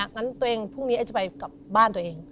งั้นตัวเองพรุ่งนี้ไอ้จะไปกลับบ้านตัวเอง